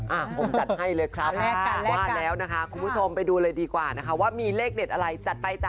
เอาผมจัดให้เลยนะครับคุณผู้ชมไปดูเลยดีกว่านะคะว่ามีเล็กเด็ดอะไรจัดไปจ๊ะ